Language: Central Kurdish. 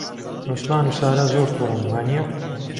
عوسمان و سارا زۆر تووڕەن، وانییە؟